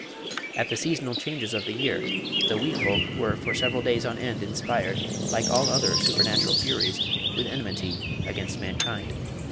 At the seasonal changes of the year, "the wee folk" were for several days on end inspired, like all other supernatural furies, with enmity against mankind.